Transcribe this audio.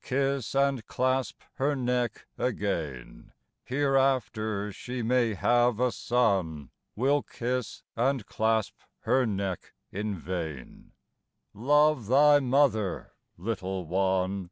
Kiss and clasp her neck again, Hereafter she may have a son Will kiss and clasp her neck in vain. Love thy mother, little one!